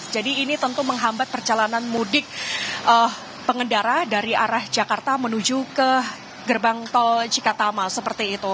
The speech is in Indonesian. jadi ini tentu menghambat perjalanan mudik pengendara dari arah jakarta menuju ke gerbang tojikatama seperti itu